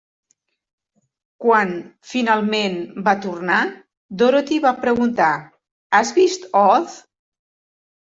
Quan, finalment, va tornar, Dorothy va preguntar: "Has vist Oz?"